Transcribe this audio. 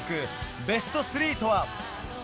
ベスト３とは。